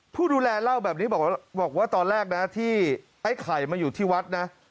ผู้ดูแลเล่าแบบนี้บอกว่าตอนแรกนะที่ไอ้ไข่มาอยู่ที่วัดนะ